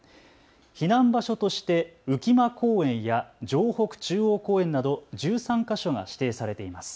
避難場所として浮間公園や城北中央公園など１３か所が指定されています。